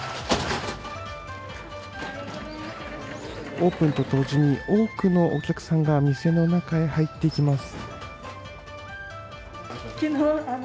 オープンと同時に多くのお客さんが店の中へ、入っていきます。